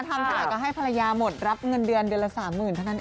ทำถ่ายก็ให้ภรรยาหมดรับเงินเดือนเดือนละ๓๐๐๐๐บาทเท่านั้น